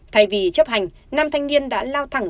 thay vì chấp hành nam thanh niên đã lao thẳng